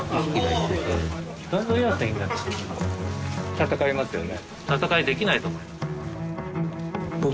戦いますよね？